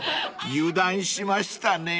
［油断しましたね］